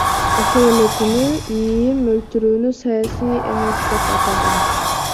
Ошол эле күнү ИИМ өлтүрүүнү саясий эмес деп атаган.